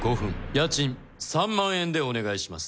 家賃３万円でお願いします。